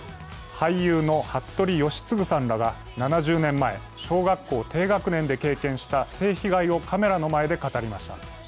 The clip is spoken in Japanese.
俳優の服部吉次さんらが７０年前、小学校低学年で経験した性被害をカメラの前で語りました。